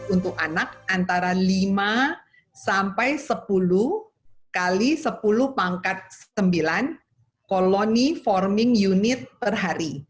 untuk anak antara lima sampai sepuluh x sepuluh pangkat sembilan koloni forming unit per hari